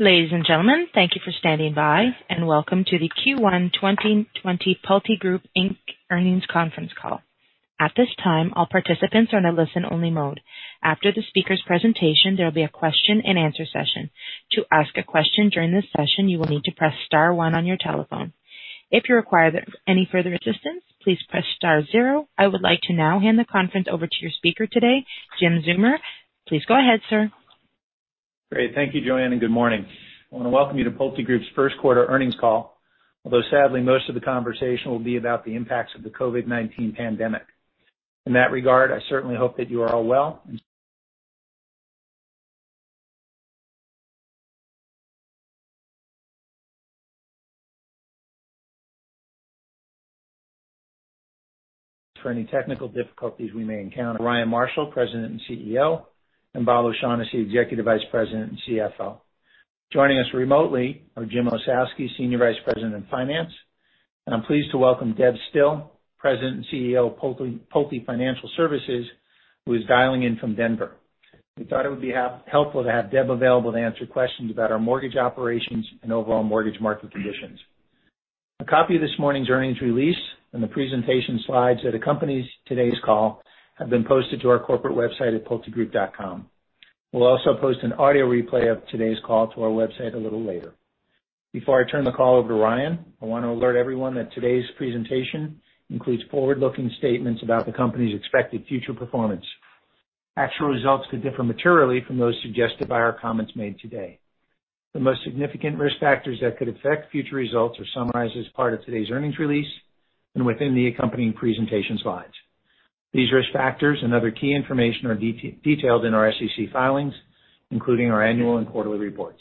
Ladies and gentlemen, thank you for standing by, and welcome to the Q1 2020 PulteGroup, Inc. Earnings Conference Call. At this time, all participants are in a listen-only mode. After the speakers' presentation, there will be a question and answer session. To ask a question during this session, you will need to press star one on your telephone. If you require any further assistance, please press star zero. I would like to now hand the conference over to your speaker today, Jim Zeumer. Please go ahead, sir. Great. Thank you, Joanne. Good morning. I want to welcome you to PulteGroup's First Quarter Earnings Call, although sadly, most of the conversation will be about the impacts of the COVID-19 pandemic. In that regard, I certainly hope that you are all well. And For any technical difficulties we may encounter. Ryan Marshall, President and CEO, and Bob O'Shaughnessy, Executive Vice President and CFO. Joining us remotely are Jim Ossowski, Senior Vice President of Finance, and I'm pleased to welcome Debra Still, President and CEO of Pulte Financial Services, who is dialing in from Denver. We thought it would be helpful to have Deb available to answer questions about our mortgage operations and overall mortgage market conditions. A copy of this morning's earnings release and the presentation slides that accompanies today's call have been posted to our corporate website at pultegroup.com. We'll also post an audio replay of today's call to our website a little later. Before I turn the call over to Ryan, I want to alert everyone that today's presentation includes forward-looking statements about the company's expected future performance. Actual results could differ materially from those suggested by our comments made today. The most significant risk factors that could affect future results are summarized as part of today's earnings release and within the accompanying presentation slides. These risk factors and other key information are detailed in our SEC filings, including our annual and quarterly reports.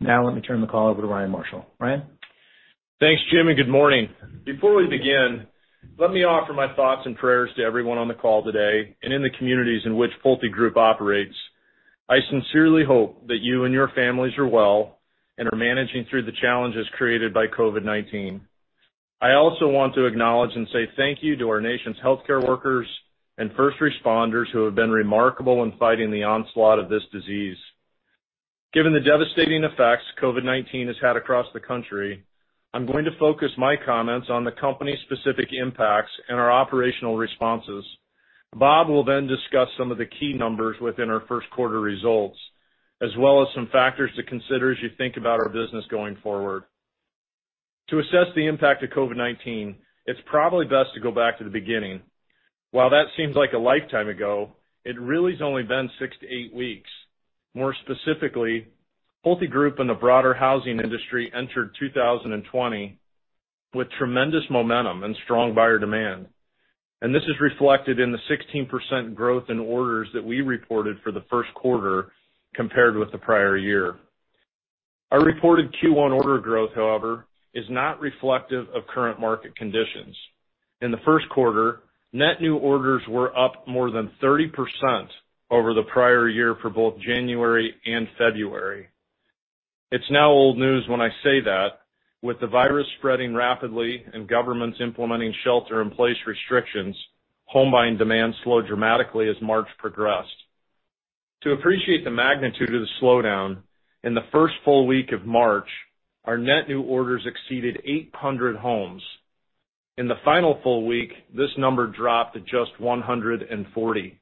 Let me turn the call over to Ryan Marshall. Ryan? Thanks, Jim. Good morning. Before we begin, let me offer my thoughts and prayers to everyone on the call today and in the communities in which PulteGroup operates. I sincerely hope that you and your families are well and are managing through the challenges created by COVID-19. I also want to acknowledge and say thank you to our nation's healthcare workers and first responders who have been remarkable in fighting the onslaught of this disease. Given the devastating effects COVID-19 has had across the country, I'm going to focus my comments on the company's specific impacts and our operational responses. Bob will discuss some of the key numbers within our first quarter results, as well as some factors to consider as you think about our business going forward. To assess the impact of COVID-19, it's probably best to go back to the beginning. While that seems like a lifetime ago, it really has only been 6-8 weeks. More specifically, PulteGroup and the broader housing industry entered 2020 with tremendous momentum and strong buyer demand, and this is reflected in the 16% growth in orders that we reported for the first quarter compared with the prior year. Our reported Q1 order growth, however, is not reflective of current market conditions. In the first quarter, net new orders were up more than 30% over the prior year for both January and February. It's now old news when I say that with the virus spreading rapidly and governments implementing shelter-in-place restrictions, home buying demand slowed dramatically as March progressed. To appreciate the magnitude of the slowdown, in the first full week of March, our net new orders exceeded 800 homes. In the final full week, this number dropped to just 140.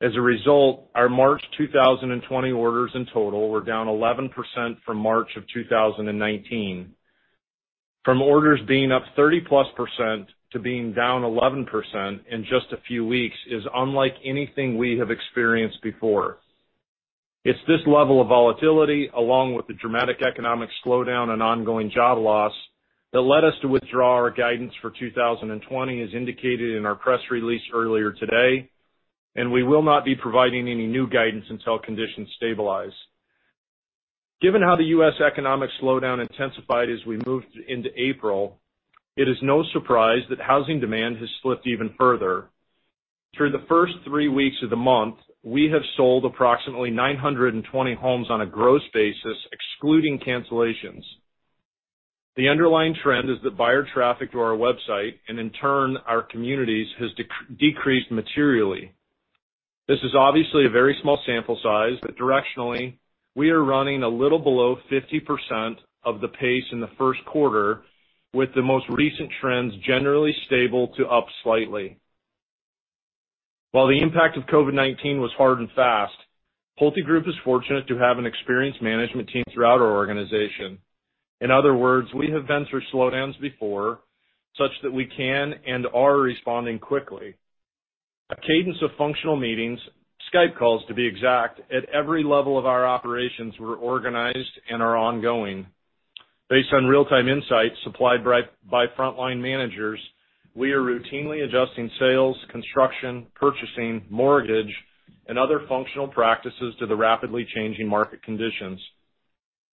As a result, our March 2020 orders in total were down 11% from March of 2019. From orders being up 30%+ to being down 11% in just a few weeks is unlike anything we have experienced before. It's this level of volatility, along with the dramatic economic slowdown and ongoing job loss, that led us to withdraw our guidance for 2020 as indicated in our press release earlier today, and we will not be providing any new guidance until conditions stabilize. Given how the US economic slowdown intensified as we moved into April, it is no surprise that housing demand has slipped even further. Through the first three weeks of the month, we have sold approximately 920 homes on a gross basis, excluding cancellations. The underlying trend is that buyer traffic to our website, and in turn our communities, has decreased materially. This is obviously a very small sample size, but directionally, we are running a little below 50% of the pace in the first quarter, with the most recent trends generally stable to up slightly. While the impact of COVID-19 was hard and fast, PulteGroup is fortunate to have an experienced management team throughout our organization. In other words, we have been through slowdowns before, such that we can and are responding quickly. A cadence of functional meetings, Skype calls to be exact, at every level of our operations were organized and are ongoing. Based on real-time insights supplied by frontline managers, we are routinely adjusting sales, construction, purchasing, mortgage, and other functional practices to the rapidly changing market conditions.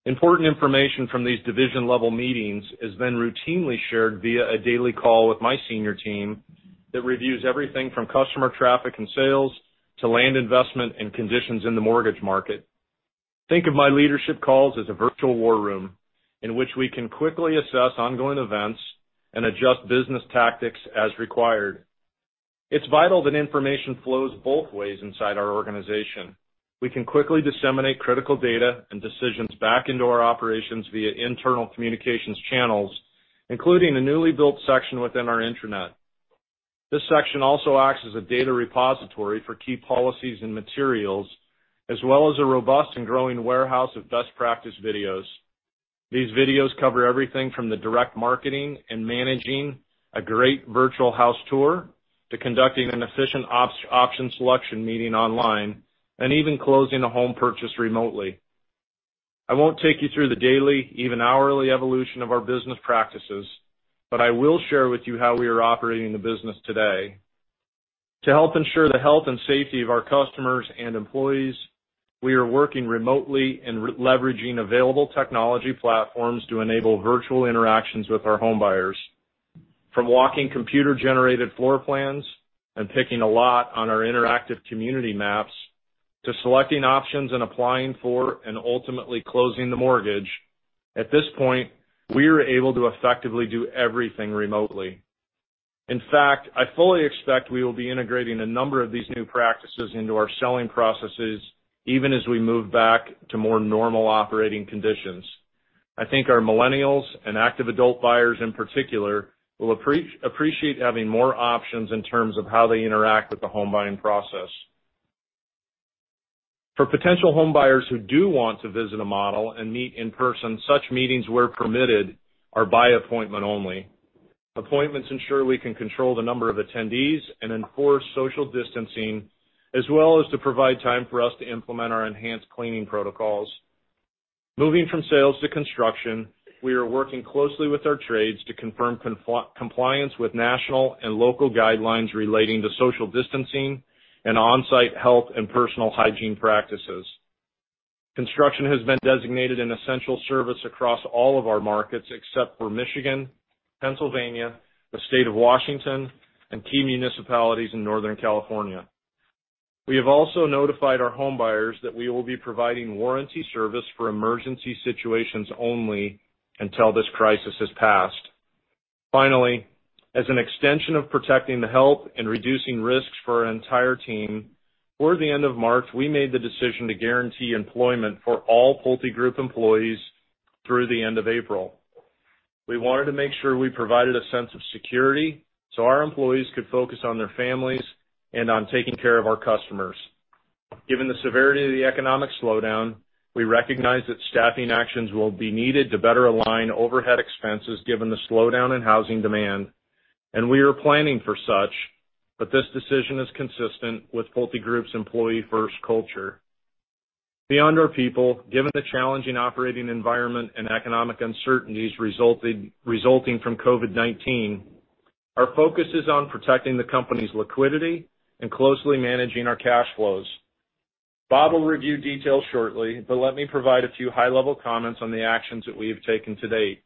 Important information from these division-level meetings is then routinely shared via a daily call with my senior team that reviews everything from customer traffic and sales to land investment and conditions in the mortgage market. Think of my leadership calls as a virtual war room in which we can quickly assess ongoing events and adjust business tactics as required. It's vital that information flows both ways inside our organization. We can quickly disseminate critical data and decisions back into our operations via internal communications channels, including a newly built section within our intranet. This section also acts as a data repository for key policies and materials, as well as a robust and growing warehouse of best practice videos. These videos cover everything from the direct marketing and managing a great virtual house tour to conducting an efficient option selection meeting online, and even closing a home purchase remotely. I won't take you through the daily, even hourly evolution of our business practices, but I will share with you how we are operating the business today. To help ensure the health and safety of our customers and employees, we are working remotely and leveraging available technology platforms to enable virtual interactions with our home buyers. From walking computer-generated floor plans and picking a lot on our interactive community maps, to selecting options and applying for, and ultimately closing the mortgage, at this point, we are able to effectively do everything remotely. In fact, I fully expect we will be integrating a number of these new practices into our selling processes, even as we move back to more normal operating conditions. I think our millennials and active adult buyers in particular will appreciate having more options in terms of how they interact with the home buying process. For potential home buyers who do want to visit a model and meet in person, such meetings, where permitted, are by appointment only. Appointments ensure we can control the number of attendees and enforce social distancing, as well as to provide time for us to implement our enhanced cleaning protocols. Moving from sales to construction, we are working closely with our trades to confirm compliance with national and local guidelines relating to social distancing and on-site health and personal hygiene practices. Construction has been designated an essential service across all of our markets, except for Michigan, Pennsylvania, the State of Washington, and key municipalities in Northern California. We have also notified our home buyers that we will be providing warranty service for emergency situations only until this crisis has passed. Finally, as an extension of protecting the health and reducing risks for our entire team, toward the end of March, we made the decision to guarantee employment for all PulteGroup employees through the end of April. We wanted to make sure we provided a sense of security so our employees could focus on their families and on taking care of our customers. Given the severity of the economic slowdown, we recognize that staffing actions will be needed to better align overhead expenses given the slowdown in housing demand, and we are planning for such, but this decision is consistent with PulteGroup's employee first culture. Beyond our people, given the challenging operating environment and economic uncertainties resulting from COVID-19, our focus is on protecting the company's liquidity and closely managing our cash flows. Bob will review details shortly, but let me provide a few high-level comments on the actions that we have taken to date.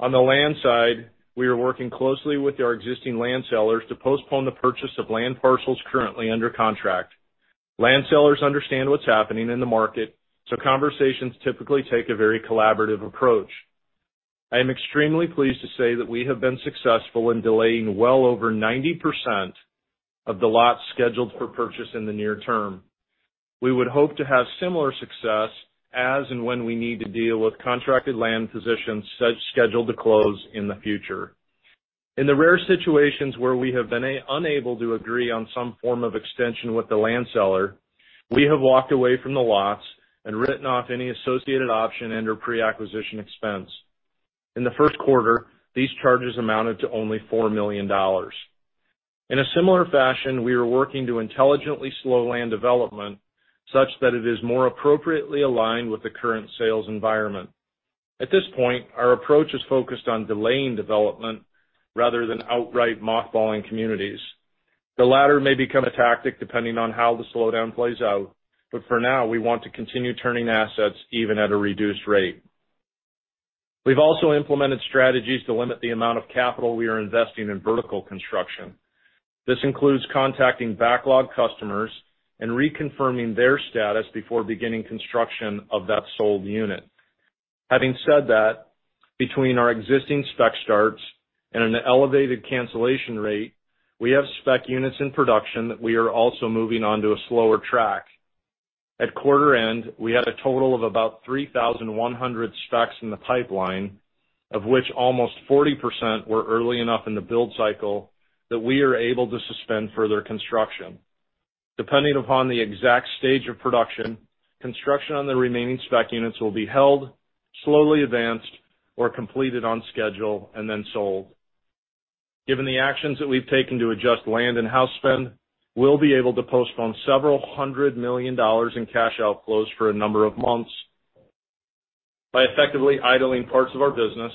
On the land side, we are working closely with our existing land sellers to postpone the purchase of land parcels currently under contract. Land sellers understand what's happening in the market, so conversations typically take a very collaborative approach. I am extremely pleased to say that we have been successful in delaying well over 90% of the lots scheduled for purchase in the near term. We would hope to have similar success as and when we need to deal with contracted land positions scheduled to close in the future. In the rare situations where we have been unable to agree on some form of extension with the land seller, we have walked away from the lots and written off any associated option and/or pre-acquisition expense. In the first quarter, these charges amounted to only $4 million. In a similar fashion, we are working to intelligently slow land development such that it is more appropriately aligned with the current sales environment. At this point, our approach is focused on delaying development rather than outright mothballing communities. The latter may become a tactic depending on how the slowdown plays out, but for now, we want to continue turning assets even at a reduced rate. We've also implemented strategies to limit the amount of capital we are investing in vertical construction. This includes contacting backlog customers and reconfirming their status before beginning construction of that sold unit. Having said that, between our existing spec starts and an elevated cancellation rate, we have spec units in production that we are also moving onto a slower track. At quarter end, we had a total of about 3,100 specs in the pipeline, of which almost 40% were early enough in the build cycle that we are able to suspend further construction. Depending upon the exact stage of production, construction on the remaining spec units will be held, slowly advanced, or completed on schedule, and then sold. Given the actions that we've taken to adjust land and house spend, we'll be able to postpone several hundred million dollars in cash outflows for a number of months. By effectively idling parts of our business,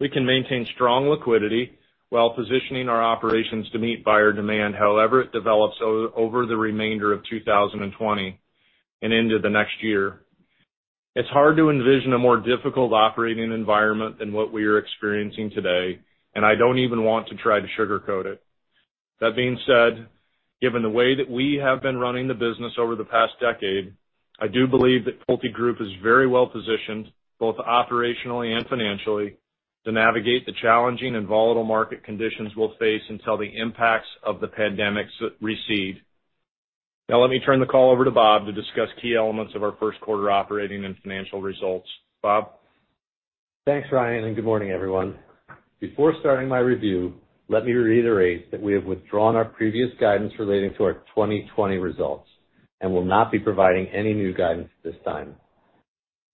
we can maintain strong liquidity while positioning our operations to meet buyer demand however it develops over the remainder of 2020 and into the next year. It's hard to envision a more difficult operating environment than what we are experiencing today. I don't even want to try to sugarcoat it. That been said, given the way that we have been running the business over the past decade, I do believe that PulteGroup is very well positioned, both operationally and financially, to navigate the challenging and volatile market conditions we'll face until the impacts of the pandemic recede. Now let me turn the call over to Bob to discuss key elements of our first quarter operating and financial results. Bob? Thanks, Ryan, and good morning, everyone. Before starting my review, let me reiterate that we have withdrawn our previous guidance relating to our 2020 results and will not be providing any new guidance at this time.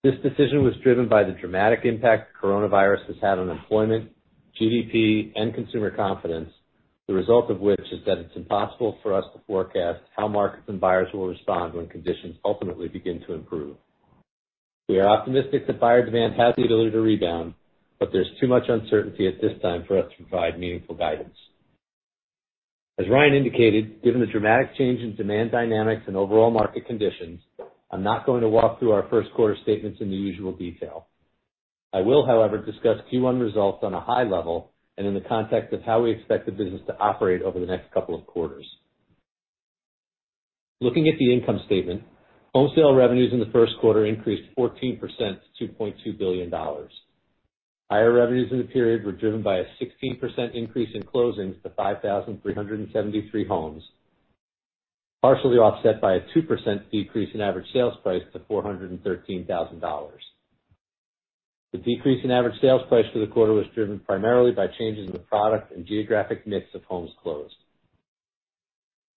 This decision was driven by the dramatic impact coronavirus has had on employment, GDP, and consumer confidence, the result of which is that it's impossible for us to forecast how markets and buyers will respond when conditions ultimately begin to improve. We are optimistic that buyer demand has the ability to rebound, but there's too much uncertainty at this time for us to provide meaningful guidance. As Ryan indicated, given the dramatic change in demand dynamics and overall market conditions, I'm not going to walk through our first quarter statements in the usual detail. I will, however, discuss Q1 results on a high level and in the context of how we expect the business to operate over the next couple of quarters. Looking at the income statement, home sale revenues in the first quarter increased 14% to $2.2 billion. Higher revenues in the period were driven by a 16% increase in closings to 5,373 homes, partially offset by a 2% decrease in average sales price to $413,000. The decrease in average sales price for the quarter was driven primarily by changes in the product and geographic mix of homes closed.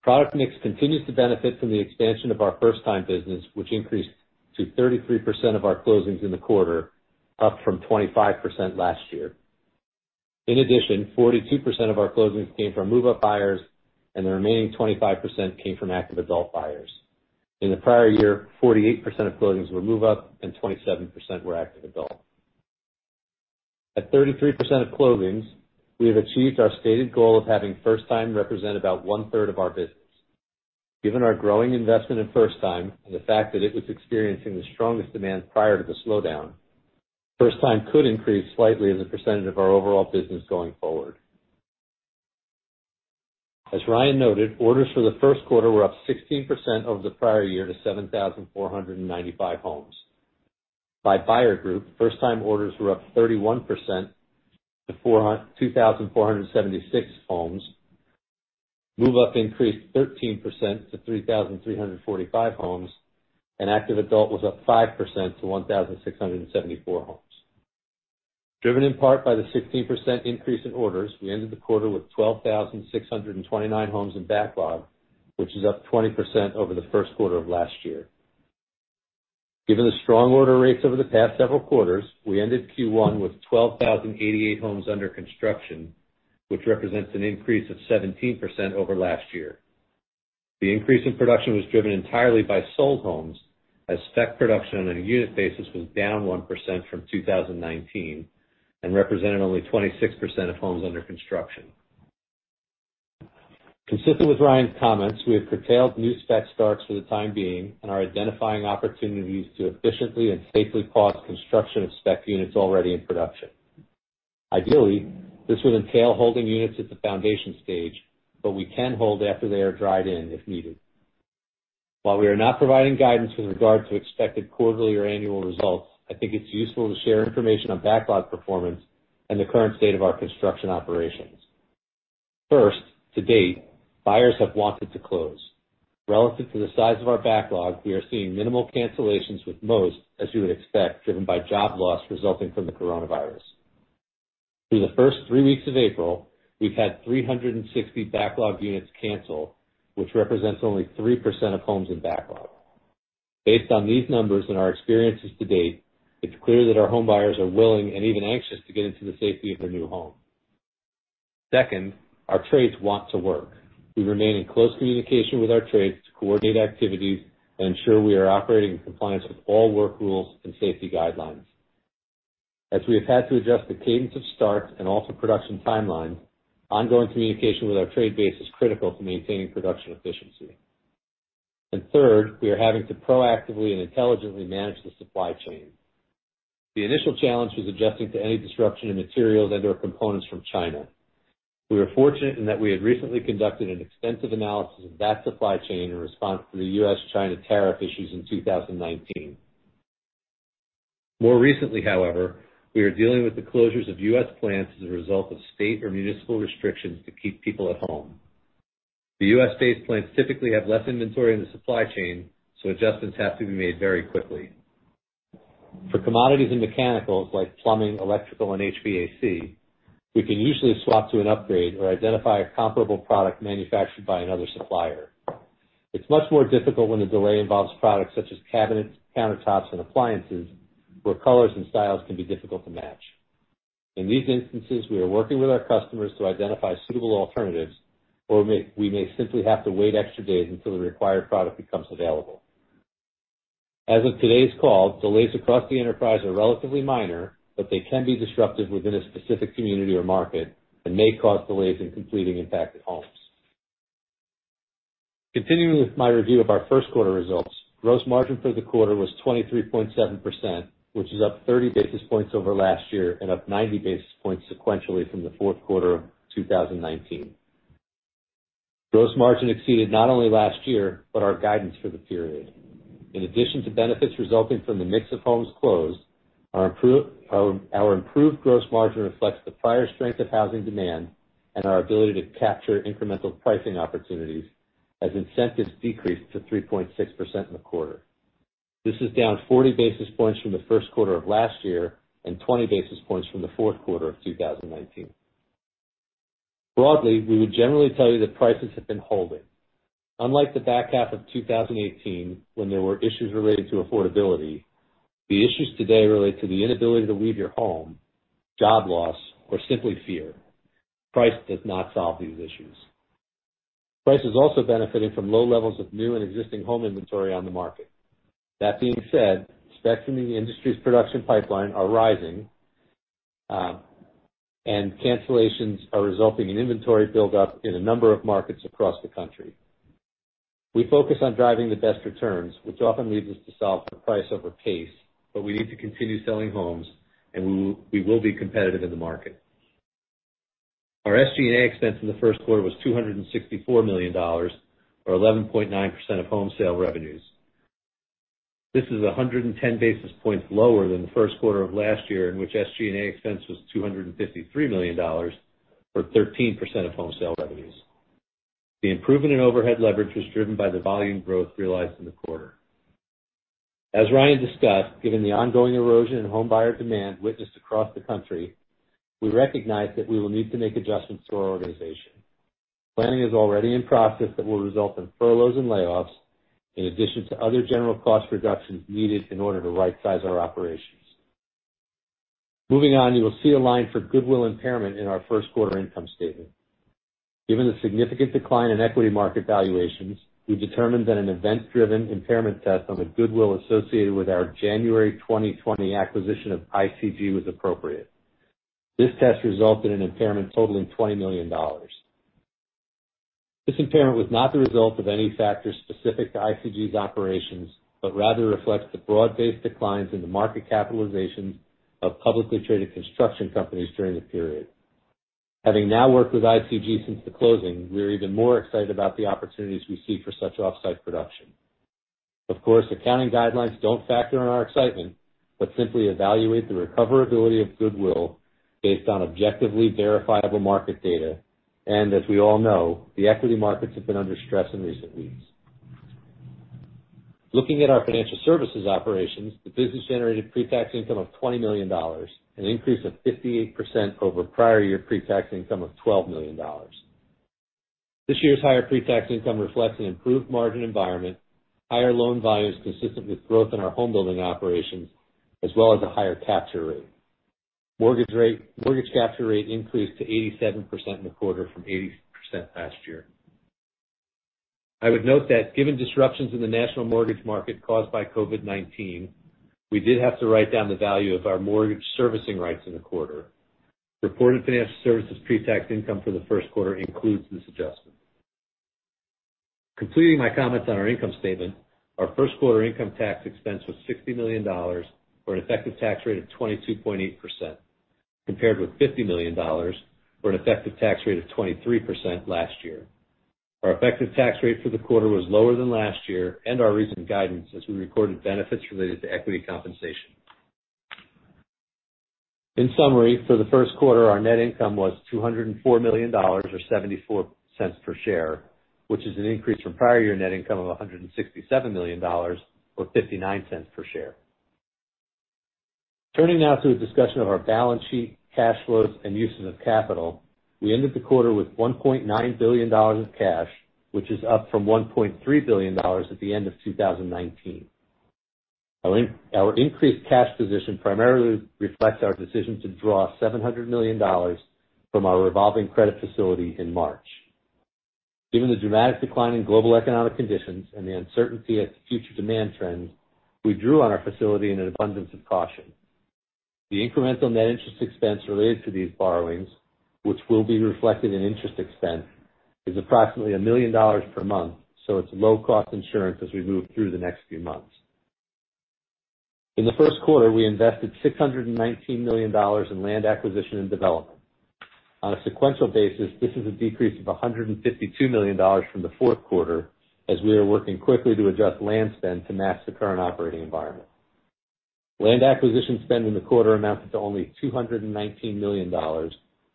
Product mix continues to benefit from the expansion of our first-time business, which increased to 33% of our closings in the quarter, up from 25% last year. In addition 42% of our closings came from move-up buyers, and the remaining 25% came from active adult buyers. In the prior year, 48% of closings were move-up and 27% were active adult. At 33% of closings, we have achieved our stated goal of having first time represent about 1/3 of our business. Given our growing investment in first time and the fact that it was experiencing the strongest demand prior to the slowdown, first time could increase slightly as a percentage of our overall business going forward. As Ryan noted, orders for the first quarter were up 16% over the prior year to 7,495 homes. By buyer group, first-time orders were up 31% to 2,476 homes. Move-up increased 13% to 3,345 homes, and active adult was up 5% to 1,674 homes. Driven in part by the 16% increase in orders, we ended the quarter with 12,629 homes in backlog, which is up 20% over the first quarter of last year. Given the strong order rates over the past several quarters, we ended Q1 with 12,088 homes under construction, which represents an increase of 17% over last year. The increase in production was driven entirely by sold homes, as spec production on a unit basis was down 1% from 2019 and represented only 26% of homes under construction. Consistent with Ryan's comments, we have curtailed new spec starts for the time being and are identifying opportunities to efficiently and safely pause construction of spec units already in production. Ideally, this would entail holding units at the foundation stage, but we can hold after they are dried in if needed. While we are not providing guidance with regard to expected quarterly or annual results, I think it's useful to share information on backlog performance and the current state of our construction operations. First, to date, buyers have wanted to close. Relative to the size of our backlog, we are seeing minimal cancellations, with most, as you would expect, driven by job loss resulting from the coronavirus. Through the first three weeks of April, we've had 360 backlog units canceled, which represents only 3% of homes in backlog. Based on these numbers and our experiences to date, it's clear that our homebuyers are willing and even anxious to get into the safety of their new home. Second, our trades want to work. We remain in close communication with our trades to coordinate activities and ensure we are operating in compliance with all work rules and safety guidelines. As we have had to adjust the cadence of starts and also production timelines, ongoing communication with our trade base is critical to maintaining production efficiency. Third, we are having to proactively and intelligently manage the supply chain. The initial challenge was adjusting to any disruption in materials and/or components from China. We were fortunate in that we had recently conducted an extensive analysis of that supply chain in response to the US-China tariff issues in 2019. More recently, however, we are dealing with the closures of US plants as a result of state or municipal restrictions to keep people at home. The US based plants typically have less inventory in the supply chain, so adjustments have to be made very quickly. For commodities and mechanicals like plumbing, electrical, and HVAC, we can usually swap to an upgrade or identify a comparable product manufactured by another supplier. It's much more difficult when the delay involves products such as cabinets, countertops, and appliances, where colors and styles can be difficult to match. In these instances, we are working with our customers to identify suitable alternatives, or we may simply have to wait extra days until the required product becomes available. As of today's call, delays across the enterprise are relatively minor, but they can be disruptive within a specific community or market and may cause delays in completing impacted homes. Continuing with my review of our first quarter results, gross margin for the quarter was 23.7%, which is up 30 basis points over last year and up 90 basis points sequentially from the fourth quarter of 2019. Gross margin exceeded not only last year, but our guidance for the period. In addition to benefits resulting from the mix of homes closed, our improved gross margin reflects the prior strength of housing demand and our ability to capture incremental pricing opportunities as incentives decreased to 3.6% in the quarter. This is down 40 basis points from the first quarter of last year and 20 basis points from the fourth quarter of 2019. Broadly, we would generally tell you that prices have been holding. Unlike the back half of 2018, when there were issues related to affordability, the issues today relate to the inability to leave your home, job loss, or simply fear. Price does not solve these issues. Price is also benefiting from low levels of new and existing home inventory on the market. That being said, specs in the industry's production pipeline are rising, and cancellations are resulting in inventory buildup in a number of markets across the country. We focus on driving the best returns, which often leads us to solve for price over pace, but we need to continue selling homes, and we will be competitive in the market. Our SG&A expense in the first quarter was $264 million, or 11.9% of home sale revenues. This is 110 basis points lower than the first quarter of last year, in which SG&A expense was $253 million, or 13% of home sale revenues. The improvement in overhead leverage was driven by the volume growth realized in the quarter. As Ryan discussed, given the ongoing erosion in home buyer demand witnessed across the country, we recognize that we will need to make adjustments to our organization. Planning is already in process that will result in furloughs and layoffs, in addition to other general cost reductions needed in order to rightsize our operations. Moving on, you will see a line for goodwill impairment in our first quarter income statement. Given the significant decline in equity market valuations, we've determined that an event-driven impairment test on the goodwill associated with our January 2020 acquisition of ICG was appropriate. This test resulted in impairment totaling $20 million. This impairment was not the result of any factor specific to ICG's operations, but rather reflects the broad-based declines in the market capitalizations of publicly traded construction companies during the period. Having now worked with ICG since the closing, we're even more excited about the opportunities we see for such offsite production. Of course, accounting guidelines don't factor in our excitement, but simply evaluate the recoverability of goodwill based on objectively verifiable market data. As we all know, the equity markets have been under stress in recent weeks. Looking at our financial services operations, the business generated pre-tax income of $20 million, an increase of 58% over prior-year pre-tax income of $12 million. This year's higher pre-tax income reflects an improved margin environment, higher loan volumes consistent with growth in our home building operations, as well as a higher capture rate. Mortgage capture rate increased to 87% in the quarter from 80% last year. I would note that given disruptions in the national mortgage market caused by COVID-19, we did have to write down the value of our mortgage servicing rights in the quarter. Reported financial services pre-tax income for the first quarter includes this adjustment. Completing my comments on our income statement, our first quarter income tax expense was $60 million, or an effective tax rate of 22.8%, compared with $50 million, or an effective tax rate of 23% last year. Our effective tax rate for the quarter was lower than last year and our recent guidance, as we recorded benefits related to equity compensation. In summary, for the first quarter, our net income was $204 million, or $0.74 per share, which is an increase from prior year net income of $167 million or $0.59 per share. Turning now to a discussion of our balance sheet, cash flows, and uses of capital. We ended the quarter with $1.9 billion of cash, which is up from $1.3 billion at the end of 2019. Our increased cash position primarily reflects our decision to draw $700 million from our revolving credit facility in March. Given the dramatic decline in global economic conditions and the uncertainty as to future demand trends, we drew on our facility in an abundance of caution. The incremental net interest expense related to these borrowings, which will be reflected in interest expense, is approximately $1 million per month, so it's low-cost insurance as we move through the next few months. In the first quarter, we invested $619 million in land acquisition and development. On a sequential basis, this is a decrease of $152 million from the fourth quarter, as we are working quickly to adjust land spend to match the current operating environment. Land acquisition spend in the quarter amounted to only $219 million,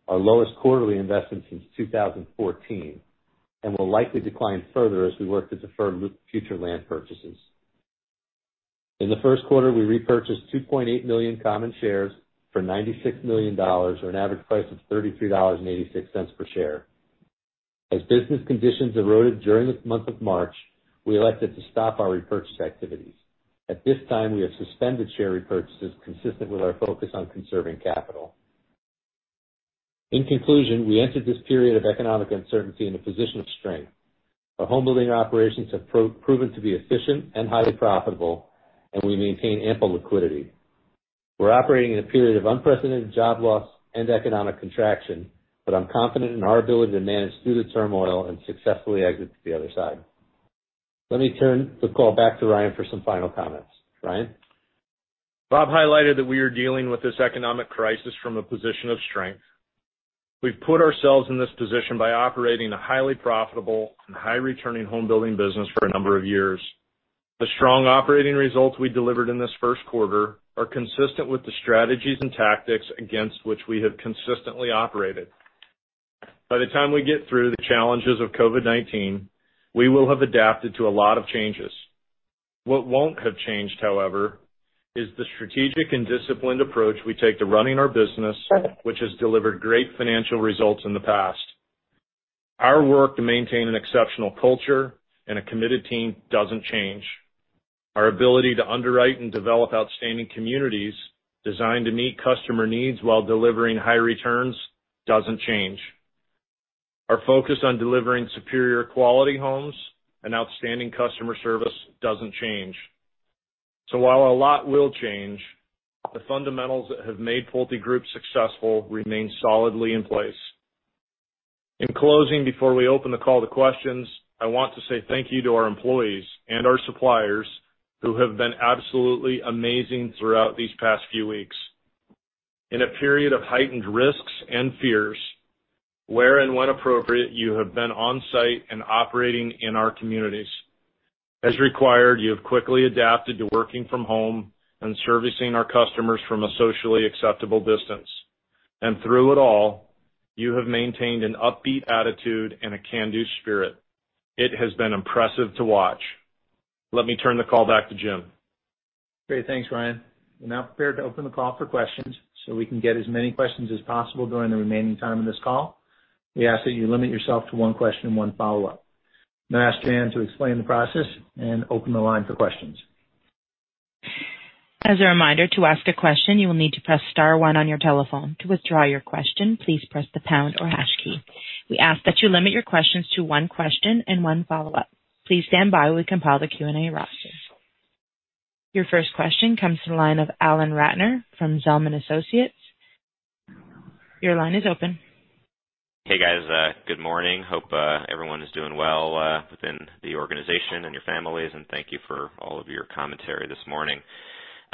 our lowest quarterly investment since 2014, and will likely decline further as we work to defer future land purchases. In the first quarter, we repurchased 2.8 million common shares for $96 million, or an average price of $33.86 per share. As business conditions eroded during the month of March, we elected to stop our repurchase activities. At this time, we have suspended share repurchases consistent with our focus on conserving capital. In conclusion, we entered this period of economic uncertainty in a position of strength. Our home building operations have proven to be efficient and highly profitable, and we maintain ample liquidity. We're operating in a period of unprecedented job loss and economic contraction, but I'm confident in our ability to manage through the turmoil and successfully exit to the other side. Let me turn the call back to Ryan for some final comments. Ryan? Bob highlighted that we are dealing with this economic crisis from a position of strength. We've put ourselves in this position by operating a highly profitable and high-returning home building business for a number of years. The strong operating results we delivered in this first quarter are consistent with the strategies and tactics against which we have consistently operated. By the time we get through the challenges of COVID-19, we will have adapted to a lot of changes. What won't have changed, however, is the strategic and disciplined approach we take to running our business, which has delivered great financial results in the past. Our work to maintain an exceptional culture and a committed team doesn't change. Our ability to underwrite and develop outstanding communities designed to meet customer needs while delivering high returns doesn't change. Our focus on delivering superior quality homes and outstanding customer service doesn't change. While a lot will change, the fundamentals that have made PulteGroup successful remain solidly in place. In closing, before we open the call to questions, I want to say thank you to our employees and our suppliers who have been absolutely amazing throughout these past few weeks. In a period of heightened risks and fears, where and when appropriate, you have been on site and operating in our communities. As required, you have quickly adapted to working from home and servicing our customers from a socially acceptable distance. And through it all, you have maintained an upbeat attitude and a can-do spirit. It has been impressive to watch. Let me turn the call back to Jim. Great. Thanks, Ryan. We're now prepared to open the call for questions. We can get as many questions as possible during the remaining time of this call, we ask that you limit yourself to one question and one follow-up. I'm going to ask Joanne to explain the process and open the line for questions. As a reminder, to ask a question, you will need to press star one on your telephone. To withdraw your question, please press the pound or hash key. We ask that you limit your questions to one question and one follow-up. Please stand by while we compile the Q&A roster. Your first question comes from the line of Alan Ratner from Zelman Associates. Your line is open. Hey, guys. Good morning. Hope everyone is doing well within the organization and your families, and thank you for all of your commentary this morning.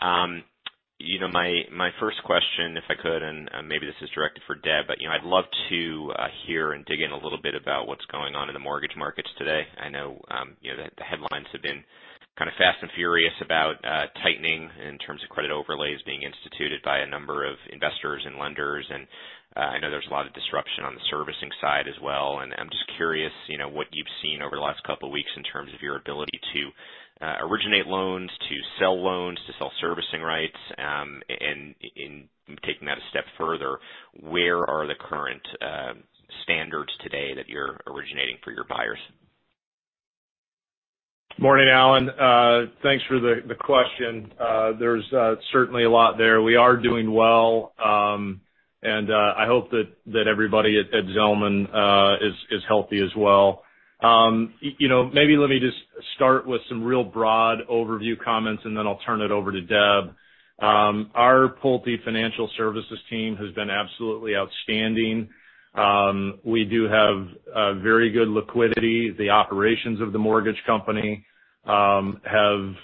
My first question, if I could, and maybe this is directed for Deb, but I'd love to hear and dig in a little bit about what's going on in the mortgage markets today. I know the headlines have been kind of fast and furious about tightening in terms of credit overlays being instituted by a number of investors and lenders, and I know there's a lot of disruption on the servicing side as well. I'm just curious what you've seen over the last couple of weeks in terms of your ability to originate loans, to sell loans, to sell servicing rights. In taking that a step further, where are the current standards today that you're originating for your buyers? Morning, Alan. Thanks for the question. There's certainly a lot there. We are doing well. I hope that everybody at Zelman is healthy as well. Maybe let me just start with some real broad overview comments, and then I'll turn it over to Deb. Our Pulte Financial Services team has been absolutely outstanding. We do have very good liquidity. The operations of the mortgage company have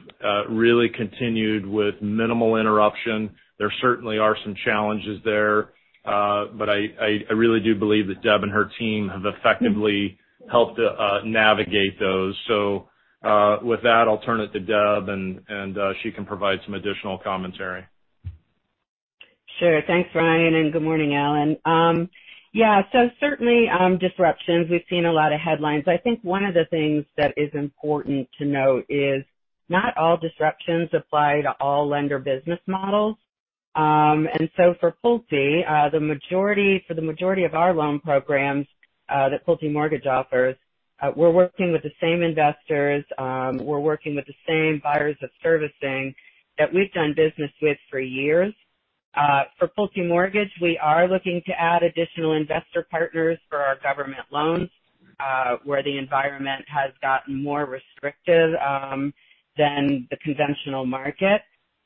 really continued with minimal interruption. There certainly are some challenges there. I really do believe that Deb and her team have effectively helped navigate those. With that, I'll turn it to Deb and she can provide some additional commentary. Sure. Thanks, Ryan, and good morning, Alan. Yeah. Certainly, disruptions. We've seen a lot of headlines. I think one of the things that is important to note is not all disruptions apply to all lender business models. For Pulte, for the majority of our loan programs that Pulte Mortgage offers, we're working with the same investors, we're working with the same buyers of servicing that we've done business with for years. For Pulte Mortgage, we are looking to add additional investor partners for our government loans, where the environment has gotten more restrictive than the conventional market.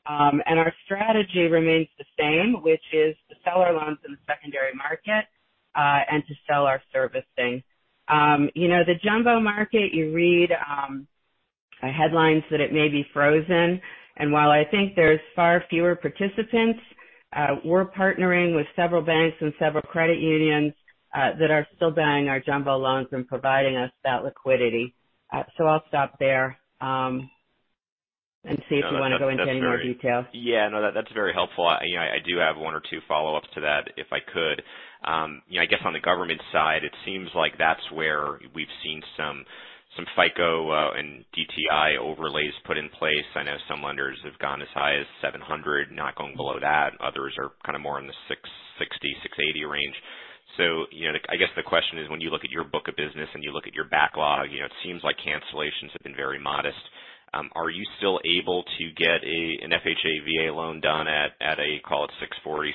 Our strategy remains the same, which is to sell our loans in the secondary market, and to sell our servicing. The jumbo market, you read headlines that it may be frozen. While I think there's far fewer participants, we're partnering with several banks and several credit unions that are still buying our jumbo loans and providing us that liquidity. I'll stop there, and see if you want to go into any more detail. Yeah, no, that's very helpful. I do have one or two follow-ups to that, if I could. I guess on the government side, it seems like that's where we've seen some FICO and DTI overlays put in place. I know some lenders have gone as high as 700, not going below that. Others are kind of more in the 660/680 range. I guess the question is, when you look at your book of business and you look at your backlog, it seems like cancellations have been very modest. Are you still able to get an FHA, VA loan done at a, call it 640/660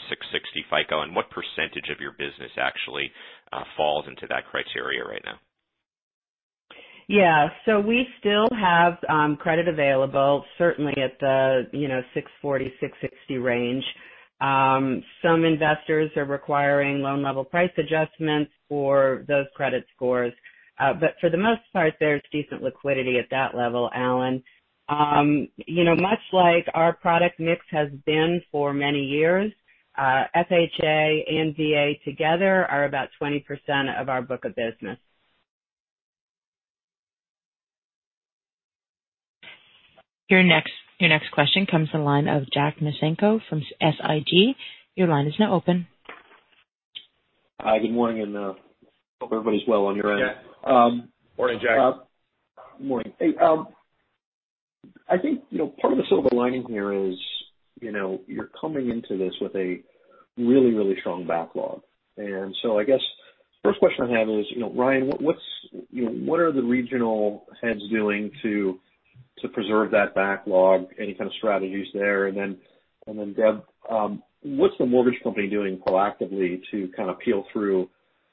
FICO? What percentage of your business actually falls into that criteria right now? Yeah. We still have credit available, certainly at the 640/660 range. Some investors are requiring loan-level price adjustments for those credit scores. For the most part, there's decent liquidity at that level, Alan. Much like our product mix has been for many years, FHA and VA together are about 20% of our book of business. Your next question comes from the line of Jack Micenko from SIG. Your line is now open. Hi. Good morning. I hope everybody's well on your end. Yeah. Morning, Jack. Morning. Hey. I think part of the silver lining here is you're coming into this with a really strong backlog. I guess the first question I have is, Ryan, what are the regional heads doing to preserve that backlog? Any kind of strategies there? Deb, what's the mortgage company doing proactively to kind of peel through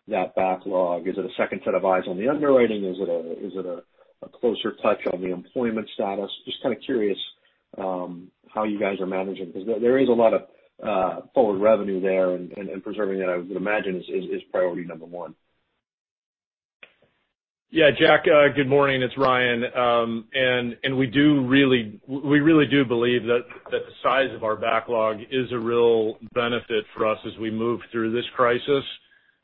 that backlog? Is it a second set of eyes on the underwriting? Is it a closer touch on the employment status? Just kind of curious how you guys are managing, because there is a lot of forward revenue there, and preserving it, I would imagine, is priority number one. Yeah. Jack, good morning. It's Ryan. We really do believe that the size of our backlog is a real benefit for us as we move through this crisis.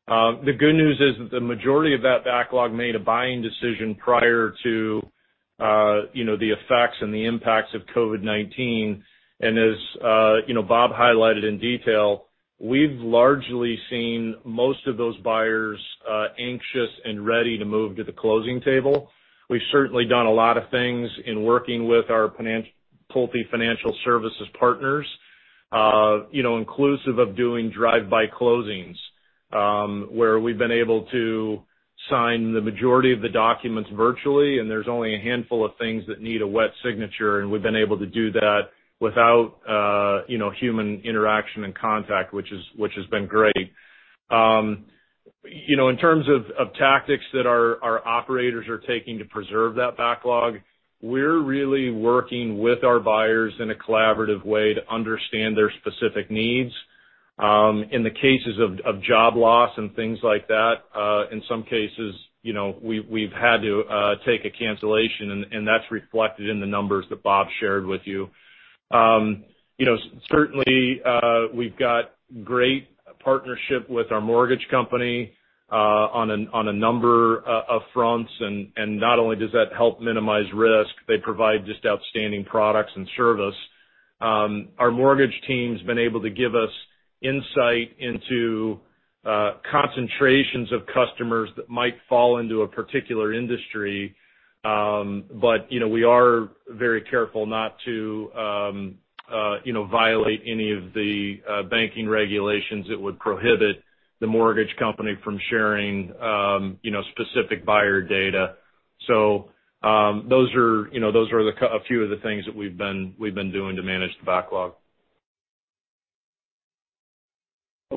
The good news is that the majority of that backlog made a buying decision prior to the effects and the impacts of COVID-19. And as Bob highlighted in detail, we've largely seen most of those buyers anxious and ready to move to the closing table. We've certainly done a lot of things in working with our Pulte Financial Services partners, inclusive of doing drive-by closings, where we've been able to sign the majority of the documents virtually, and there's only a handful of things that need a wet signature, and we've been able to do that without human interaction and contact, which has been great. You know in terms of tactics that our operators are taking to preserve that backlog, we're really working with our buyers in a collaborative way to understand their specific needs. In the cases of job loss and things like that, in some cases, we've had to take a cancellation, and that's reflected in the numbers that Bob shared with you. Certainly, we've got great partnership with our mortgage company on a number of fronts. Not only does that help minimize risk, they provide just outstanding products and service. Our mortgage team's been able to give us insight into concentrations of customers that might fall into a particular industry. We are very careful not to violate any of the banking regulations that would prohibit the mortgage company from sharing specific buyer data. Those are a few of the things that we've been doing to manage the backlog. Okay.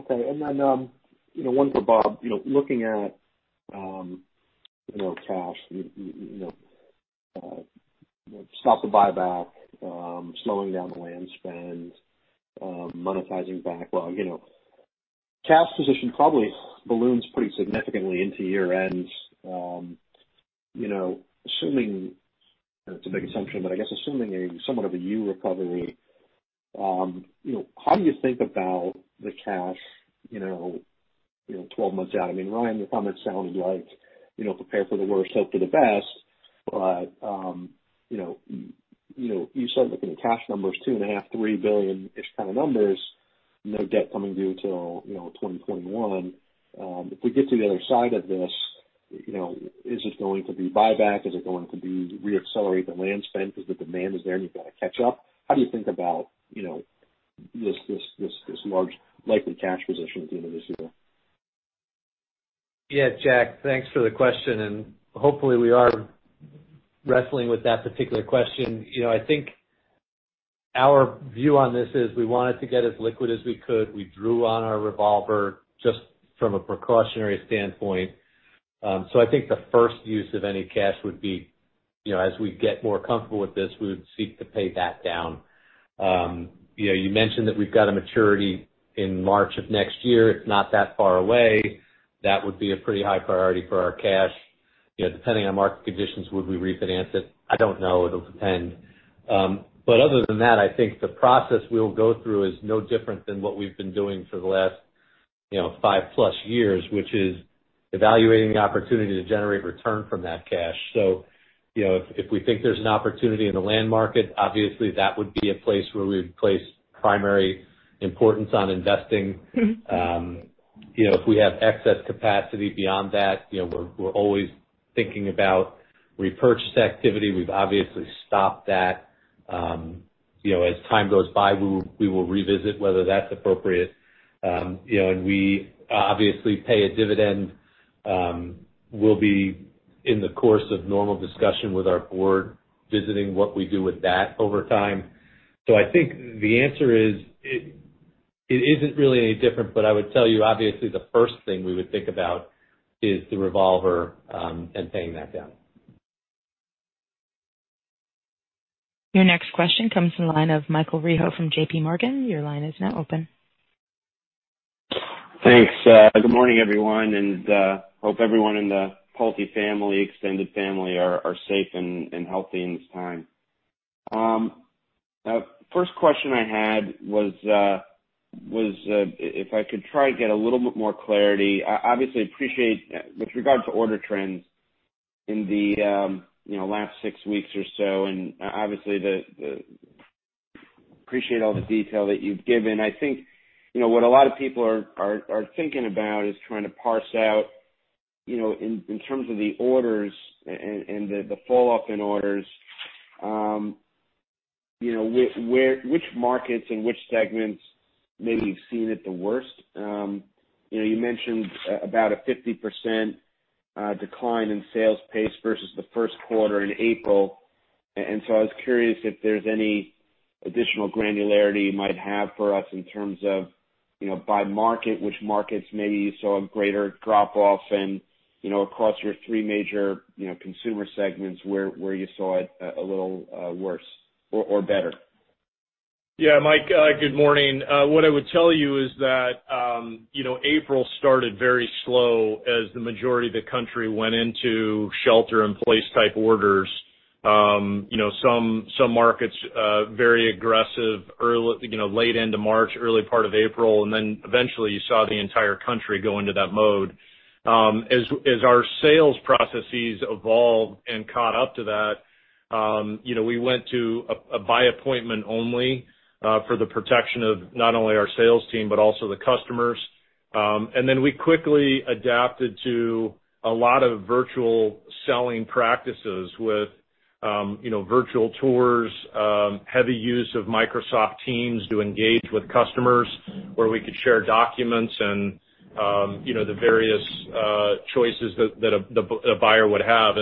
Then, one for Bob. Looking at cash, stop the buyback, slowing down the land spend, monetizing backlog. Cash position probably balloons pretty significantly into year-end. I know it's a big assumption, but I guess assuming a somewhat of a U recovery, how do you think about the cash 12 months out? I mean, Ryan, the comment sounded like prepare for the worst, hope for the best. You said, looking at cash numbers, $2.5, $3 billion-ish kind of numbers, no debt coming due till 2021. If we get to the other side of this, is it going to be buyback? Is it going to be re-accelerate the land spend because the demand is there and you've got to catch up? How do you think about this large likely cash position at the end of this year? Yeah. Jack, thanks for the question. Hopefully we are wrestling with that particular question. I think our view on this is we wanted to get as liquid as we could. We drew on our revolver just from a precautionary standpoint. I think the first use of any cash would be as we get more comfortable with this, we would seek to pay that down. You mentioned that we've got a maturity in March of next year. It's not that far away. That would be a pretty high priority for our cash. Depending on market conditions, would we refinance it? I don't know. It'll depend. Other than that, I think the process we'll go through is no different than what we've been doing for the last 5+ years, which is evaluating the opportunity to generate return from that cash. If we think there's an opportunity in the land market, obviously that would be a place where we would place primary importance on investing. If we have excess capacity beyond that, we're always thinking about repurchase activity. We've obviously stopped that. You know as time goes by, we will revisit whether that's appropriate. We obviously pay a dividend. We'll be in the course of normal discussion with our board, visiting what we do with that over time. I think the answer is, it isn't really any different, but I would tell you, obviously, the first thing we would think about is the revolver, and paying that down. Your next question comes from the line of Michael Rehaut from JPMorgan. Your line is now open. Thanks. Good morning, everyone. Hope everyone in the Pulte family, extended family, are safe and healthy in this time. First question I had was, if I could try to get a little bit more clarity. I obviously appreciate with regard to order trends in the last six weeks or so, and obviously, appreciate all the detail that you've given. I think what a lot of people are thinking about is trying to parse out in terms of the orders and the fall off in orders, which markets and which segments maybe have seen it the worst. You mentioned about a 50% decline in sales pace versus the first quarter in April. I was curious if there's any additional granularity you might have for us in terms of by market, which markets maybe you saw a greater drop off and, across your three major consumer segments where you saw it a little worse or better. Yeah, Mike. Good morning. What I would tell you is that April started very slow as the majority of the country went into shelter in place type orders. Some markets, very aggressive, late into March, early part of April. Eventually you saw the entire country go into that mode. As our sales processes evolved and caught up to that, we went to a by appointment only, for the protection of not only our sales team, but also the customers. And then we quickly adapted to a lot of virtual selling practices with virtual tours, heavy use of Microsoft Teams to engage with customers where we could share documents and the various choices that a buyer would have.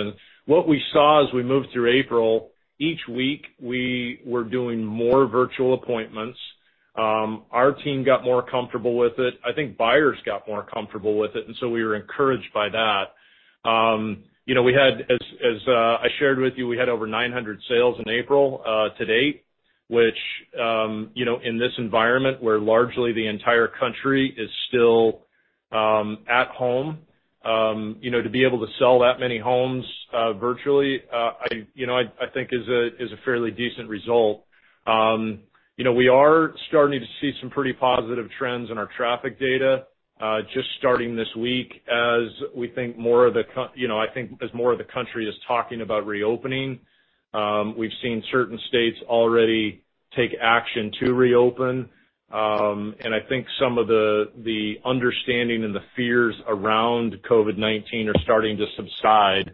What we saw as we moved through April, each week, we were doing more virtual appointments. Our team got more comfortable with it. I think buyers got more comfortable with it. We were encouraged by that. As I shared with you, we had over 900 sales in April to date, which in this environment where largely the entire country is still at home, to be able to sell that many homes virtually, I think is a fairly decent result. We are starting to see some pretty positive trends in our traffic data, just starting this week as we think more of the country is talking about reopening. We've seen certain states already take action to reopen. And I think some of the understanding and the fears around COVID-19 are starting to subside.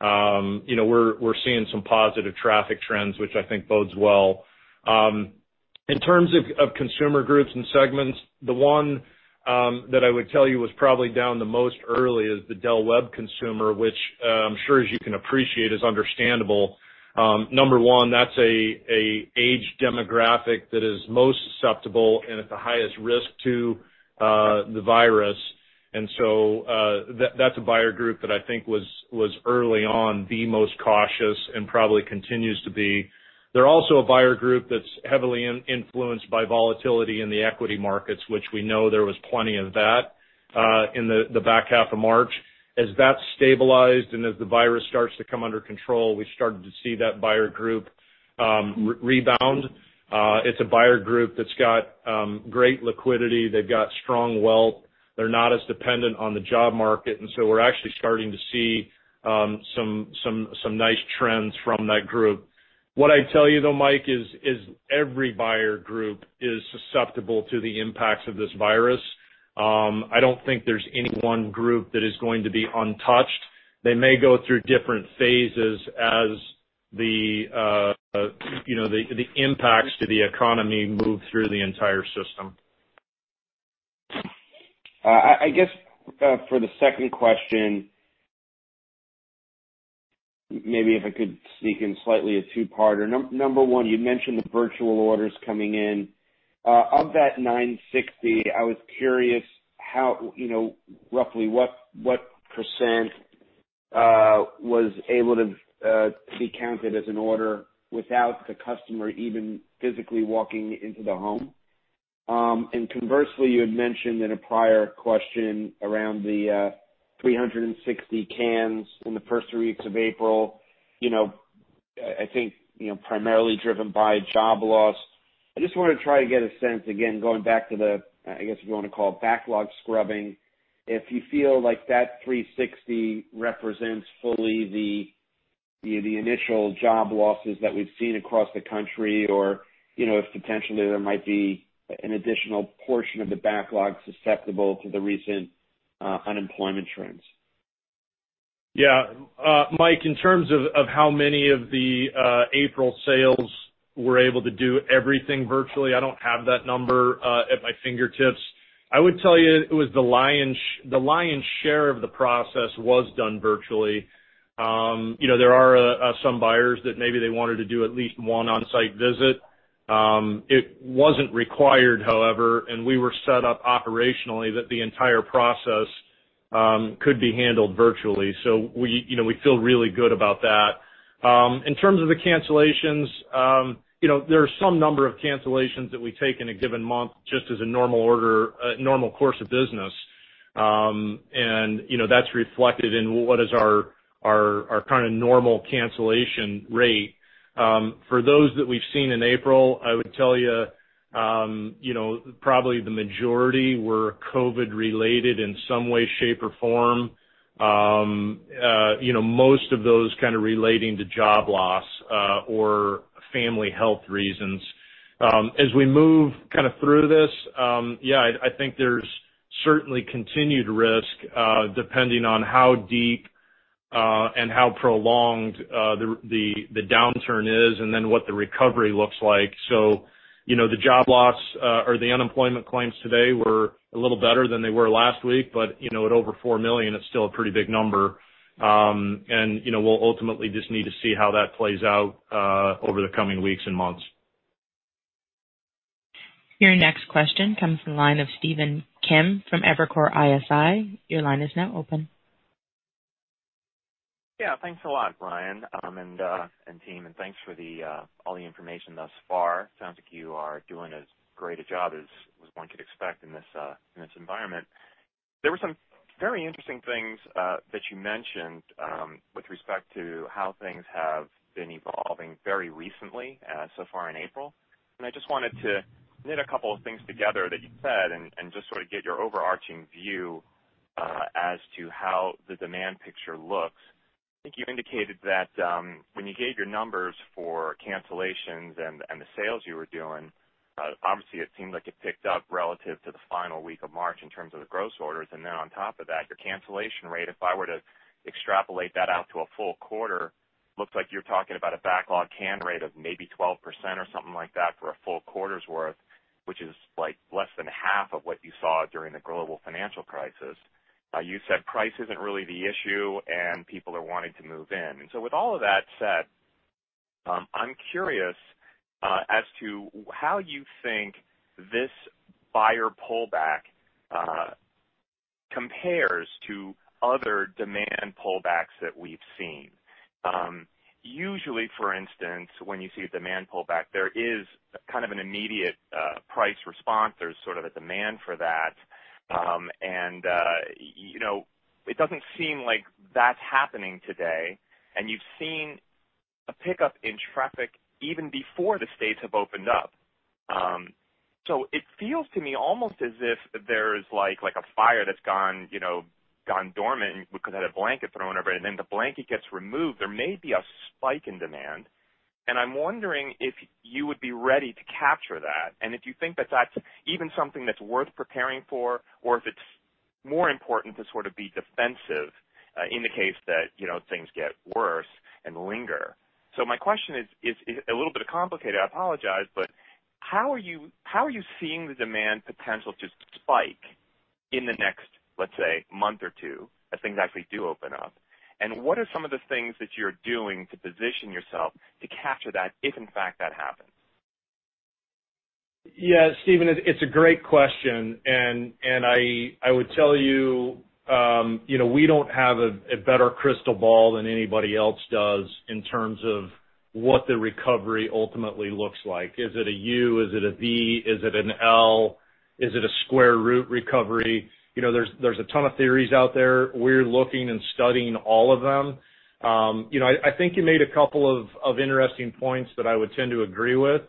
We're seeing some positive traffic trends, which I think bodes well. In terms of consumer groups and segments, the one that I would tell you was probably down the most early is the Del Webb consumer, which, I'm sure as you can appreciate, is understandable. Number one, that's a age demographic that is most susceptible and at the highest risk to the virus. That's a buyer group that I think was early on the most cautious and probably continues to be. They're also a buyer group that's heavily influenced by volatility in the equity markets, which we know there was plenty of that in the back half of March. As that stabilized and as the virus starts to come under control, we started to see that buyer group rebound. It's a buyer group that's got great liquidity. They've got strong wealth. They're not as dependent on the job market. We're actually starting to see some nice trends from that group. What I'd tell you, though, Mike, is every buyer group is susceptible to the impacts of this virus. I don't think there's any one group that is going to be untouched. They may go through different phases as the impacts to the economy move through the entire system. I guess for the second question, maybe if I could sneak in slightly a two-parter. Number one, you mentioned the virtual orders coming in. Of that 960, I was curious roughly what percent was able to be counted as an order without the customer even physically walking into the home. Conversely, you had mentioned in a prior question around the 360 cans in the first three weeks of April, I think primarily driven by job loss. I just want to try to get a sense, again, going back to the, I guess if you want to call it backlog scrubbing, if you feel like that 360 represents fully the initial job losses that we've seen across the country or, if potentially there might be an additional portion of the backlog susceptible to the recent unemployment trends. Yeah. Mike, in terms of how many of the April sales were able to do everything virtually, I don't have that number at my fingertips. I would tell you, it was the lion's share of the process was done virtually. There are some buyers that maybe they wanted to do at least one on-site visit. It wasn't required, however, and we were set up operationally that the entire process could be handled virtually. We feel really good about that. In terms of the cancellations, there are some number of cancellations that we take in a given month, just as a normal course of business. That's reflected in what is our kind of normal cancellation rate. For those that we've seen in April, I would tell you, probably the majority were COVID-related in some way, shape, or form. Most of those kind of relating to job loss or family health reasons. As we move kind of through this, yeah, I think there's certainly continued risk, depending on how deep and how prolonged the downturn is, and then what the recovery looks like. The job loss or the unemployment claims today were a little better than they were last week, but at over four million, it's still a pretty big number. We'll ultimately just need to see how that plays out over the coming weeks and months. Your next question comes from the line of Stephen Kim from Evercore ISI. Your line is now open. Thanks a lot, Ryan, and team, and thanks for all the information thus far. Sounds like you are doing as great a job as one could expect in this environment. There were some very interesting things that you mentioned, with respect to how things have been evolving very recently, so far in April. I just wanted to knit a couple of things together that you said, and just sort of get your overarching view, as to how the demand picture looks. I think you indicated that, when you gave your numbers for cancellations and the sales you were doing, obviously it seemed like it picked up relative to the final week of March in terms of the gross orders, and then on top of that, your cancellation rate, if I were to extrapolate that out to a full quarter, looks like you're talking about a backlog can rate of maybe 12% or something like that for a full quarter's worth, which is less than half of what you saw during the global financial crisis. You said price isn't really the issue, and people are wanting to move in. With all of that said, I'm curious as to how you think this buyer pullback compares to other demand pullbacks that we've seen. Usually, for instance, when you see a demand pullback, there is kind of an immediate price response. There's sort of a demand for that. And you know it doesn't seem like that's happening today, and you've seen a pickup in traffic even before the states have opened up. It feels to me almost as if there's a fire that's gone dormant because it had a blanket thrown over it, and then the blanket gets removed. There may be a spike in demand, and I'm wondering if you would be ready to capture that, and if you think that that's even something that's worth preparing for, or if it's more important to sort of be defensive in the case that things get worse and linger. My question is a little bit complicated, I apologize, but how are you seeing the demand potential to spike in the next, let's say, month or two, if things actually do open up? And what are some of the things that you're doing to position yourself to capture that, if in fact that happens? Yeah, Stephen, it's a great question. And I would tell you, we don't have a better crystal ball than anybody else does in terms of what the recovery ultimately looks like. Is it a U? Is it a V? Is it an L? Is it a square root recovery? There's a ton of theories out there. We're looking and studying all of them. I think you made a couple of interesting points that I would tend to agree with.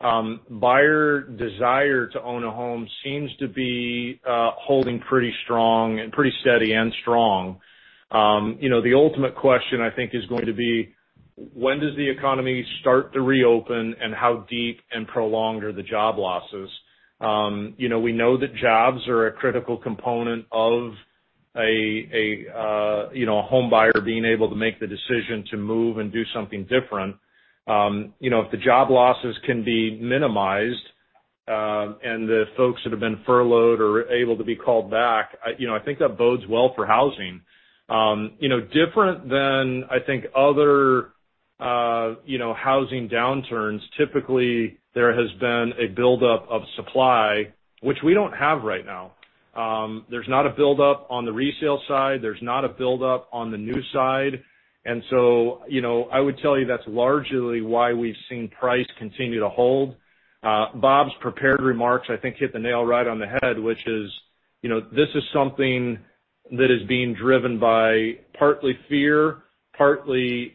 Buyer desire to own a home seems to be holding pretty steady and strong. The ultimate question I think is going to be, when does the economy start to reopen, and how deep and prolonged are the job losses? We know that jobs are a critical component of a home buyer being able to make the decision to move and do something different. If the job losses can be minimized, and the folks that have been furloughed are able to be called back, I think that bodes well for housing. Different than, I think, other housing downturns. Typically, there has been a buildup of supply, which we don't have right now. There's not a buildup on the resale side. There's not a buildup on the new side. I would tell you that's largely why we've seen price continue to hold. Bob's prepared remarks, I think hit the nail right on the head, which is, this is something that is being driven by partly fear, partly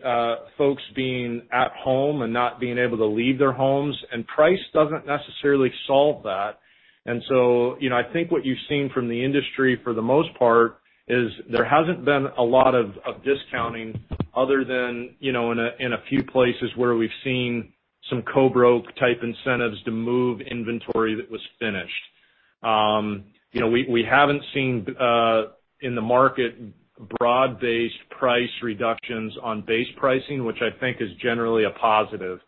folks being at home and not being able to leave their homes, and price doesn't necessarily solve that. I think what you've seen from the industry, for the most part, is there hasn't been a lot of discounting other than in a few places where we've seen some co-broke type incentives to move inventory that was finished. We haven't seen in the market broad-based price reductions on base pricing, which I think is generally a positive.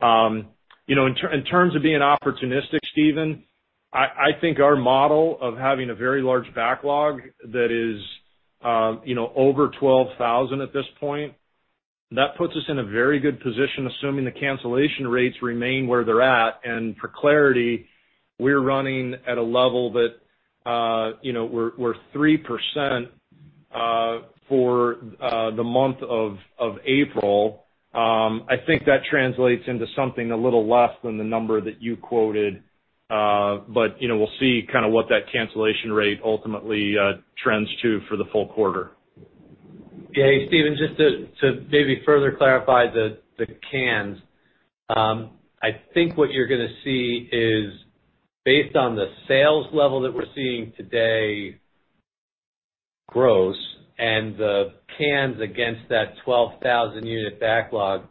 In terms of being opportunistic, Stephen, I think our model of having a very large backlog that is over 12,000 at this point, that puts us in a very good position, assuming the cancellation rates remain where they're at. For clarity, we're running at a level that we're 3% for the month of April. I think that translates into something a little less than the number that you quoted. We'll see what that cancellation rate ultimately trends to for the full quarter. Yeah. Hey, Stephen, just to maybe further clarify the cans. I think what you're going to see is based on the sales level that we're seeing today, gross, and the cans against that 12,000 unit backlog,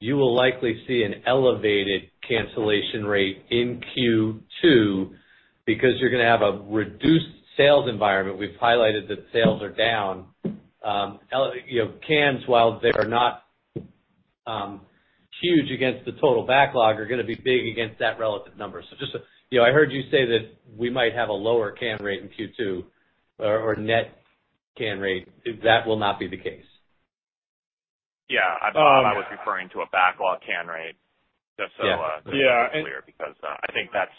you will likely see an elevated cancellation rate in Q2 because you're going to have a reduced sales environment. We've highlighted that sales are down. Cans, while they are not huge against the total backlog, are going to be big against that relevant number. I heard you say that we might have a lower can rate in Q2 or net can rate. That will not be the case. Yeah. I was referring to a backlog conversion rate, just so that it's clear, because I think that's.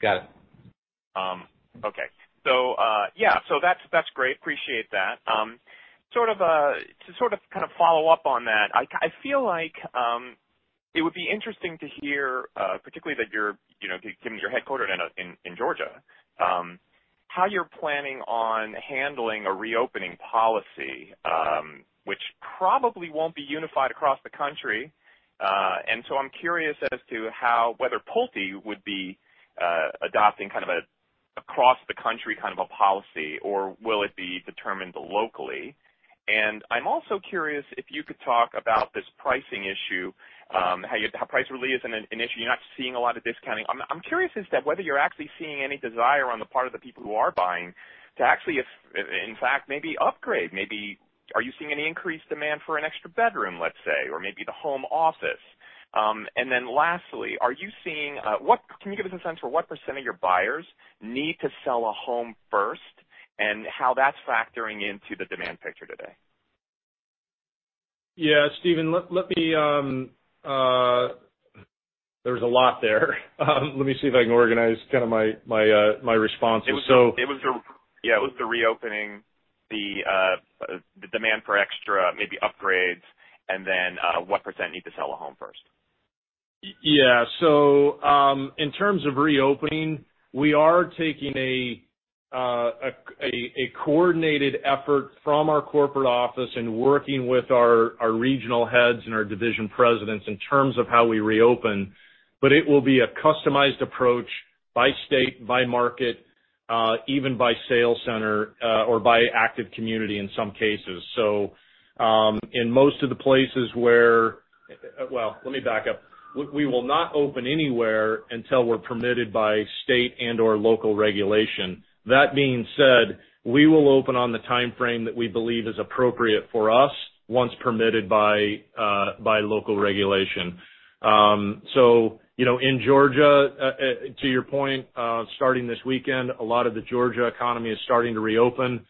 Got it. Okay. Yeah. That's great. Appreciate that. To sort of follow up on that, I feel like it would be interesting to hear, particularly that you're, given you're headquartered in Georgia, how you're planning on handling a reopening policy, which probably won't be unified across the country. I'm curious as to whether Pulte would be adopting kind of a across the country kind of a policy, or will it be determined locally? I'm also curious if you could talk about this pricing issue, how price really isn't an issue. You're not seeing a lot of discounting. I'm curious as to whether you're actually seeing any desire on the part of the people who are buying to actually, in fact, maybe upgrade. Maybe are you seeing any increased demand for an extra bedroom, let's say, or maybe the home office? And then lastly, can you give us a sense for what percent of your buyers need to sell a home first and how that's factoring into the demand picture today? Yeah, Stephen, there was a lot there. Let me see if I can organize my responses. Yeah. It was the reopening, the demand for extra, maybe upgrades, and then what percent need to sell a home first. Yeah. In terms of reopening, we are taking a coordinated effort from our corporate office and working with our regional heads and our division presidents in terms of how we reopen. It will be a customized approach by state, by market, even by sales center, or by active community in some cases. In most of the places where well, let me back up. We will not open anywhere until we're permitted by state and/or local regulation. That being said, we will open on the timeframe that we believe is appropriate for us, once permitted by local regulation. In Georgia, to your point, starting this weekend, a lot of the Georgia economy is starting to reopen.